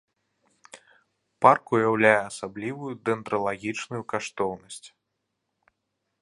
Парк уяўляе асаблівую дэндралагічную каштоўнасць.